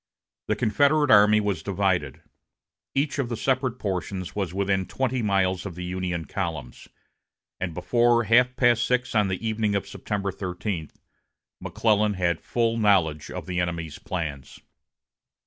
The Confederate army was divided. Each of the separate portions was within twenty miles of the Union columns; and before half past six on the evening of September 13, McClellan had full knowledge of the enemy's plans.